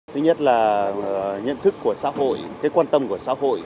thứ nhất là nhận thức của xã hội cái quan tâm của xã hội